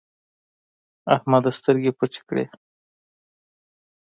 احمده سترګې پټې کړې.